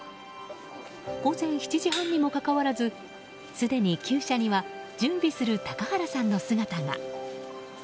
午前７時半にもかかわらずすでに厩舎には準備する高原さんの姿が。